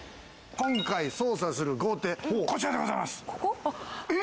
今回、捜査する豪邸、こちらでございます。